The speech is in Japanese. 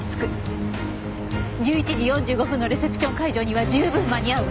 １１時４５分のレセプション会場には十分間に合うわ。